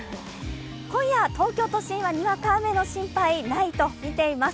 今夜、東京都心は、にわか雨の心配ないと見ています。